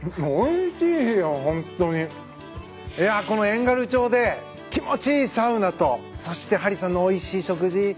いやこの遠軽町で気持ちいいサウナとそしてハッリさんのおいしい食事。